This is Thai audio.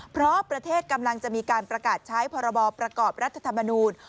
เพราะประเทศกำลังจะมีการประกาศใช้พรบประกอบรัฐธรรมนูญ